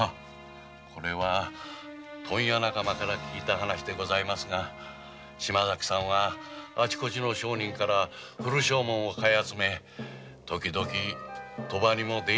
これは問屋仲間から聞いた話でございますが島崎さんはあちこちの商人から古証文を買い集め時々賭場にも出入りしていたとか。